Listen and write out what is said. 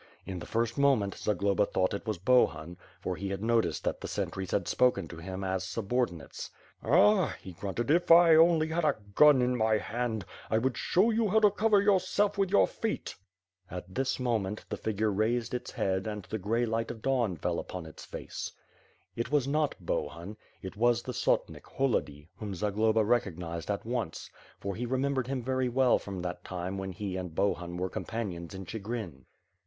In the first moment, Zagloba thought it was Bohun; for he had noticed that the sentries had spoken to him as subordinates. "Ah," he grunted, "if I only had a gun in my hand, I would show you how to cover yourself with your feet." At this moment, the figure raised its head and the gray light of dawn fell upon its face. 490 ^^'^^^'^^^^^^ SWORD. It was not Bohun; it was the sotnik Holody, whom Zagloba recognized at once, for he remembered him very well from that time when he and Bohun were companions in Chigrin.